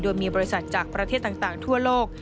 โดยมีบริษัทจากประเทศต่างทั่วโลก